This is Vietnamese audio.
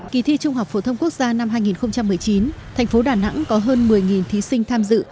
kỳ thi trung học phổ thông quốc gia năm hai nghìn một mươi chín thành phố đà nẵng có hơn một mươi thí sinh tham dự